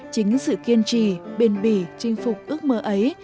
chính sự kiên trì bền bỉ chinh phục ước mơ ấy